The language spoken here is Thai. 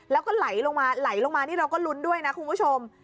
แล้วก็ไหลลงมาไหลลงมานี่เราก็ลุ้นด้วยนะคุณผู้ชม